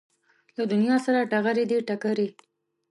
له دنیا سره ډغرې دي ټکرې